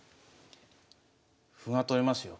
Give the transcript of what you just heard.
歩が取れますよ。